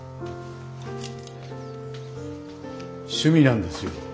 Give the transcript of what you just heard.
趣味なんですよ。